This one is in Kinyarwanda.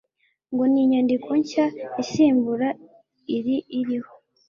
ngo n'inyandiko nshya isimbura iri iriho